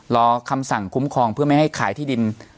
รอคำสั่งคุ้มครองเพื่อไม่ให้ขายที่ดิน